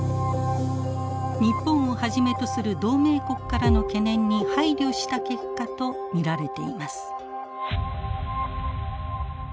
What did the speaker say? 日本をはじめとする同盟国からの懸念に配慮した結果と見られています。